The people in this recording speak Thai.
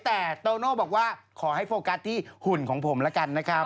แต่โตโน่บอกว่าขอให้โฟกัสที่หุ่นของผมแล้วกันนะครับ